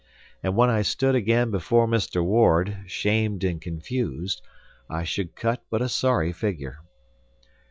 And when I stood again before Mr. Ward, shamed and confused, I should cut but a sorry figure.